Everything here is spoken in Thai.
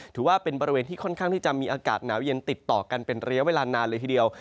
ถือว่าเป็นบริเวณที่ค่อนข้างที่จะมีอากาศหนาวเย็นติดต่อกันเป็นระยะเวลานานเลยทีเดียว